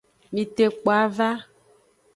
Mitekpo ava.